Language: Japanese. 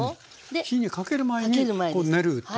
火にかける前に練るということ。